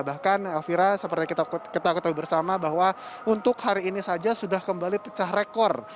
bahkan elvira seperti kita ketahui bersama bahwa untuk hari ini saja sudah kembali pecah rekor